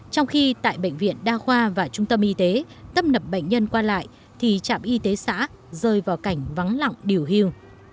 trong khi tại bệnh viện đa khoa và trung tâm y tế tâm nập bệnh nhân qua lại thì trạm y tế xã rơi vào cảnh vắng lặng điều hiu